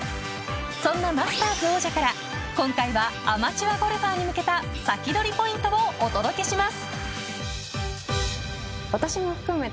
そんなマスターズ王者から今回はアマチュアゴルファーに向けたサキドリポイントをお届けします。